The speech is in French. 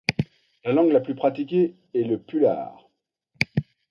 La langue la plus pratiquée est le pulaar.